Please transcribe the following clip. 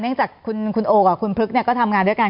จากคุณโอกับคุณพลึกก็ทำงานด้วยกัน